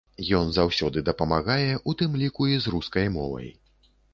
Ён заўсёды дапамагае, у тым ліку і з рускай мовай.